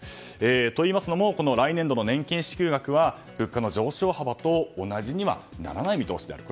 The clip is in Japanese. といいますのも来年度の年金支給額は物価の上昇幅と同じにはならない見通しである。